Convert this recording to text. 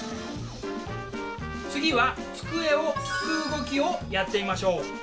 次は机を拭く動きをやってみましょう。